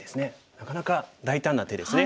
なかなか大胆な手ですね。